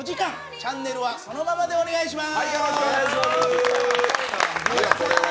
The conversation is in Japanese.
チャンネルはそのままでお願いします。